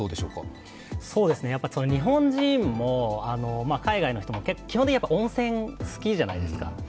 日本人も海外の人も結構基本的に温泉好きじゃないですか。